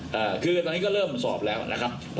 อ่าคือตอนนี้ก็เริ่มสอบแล้วนะครับ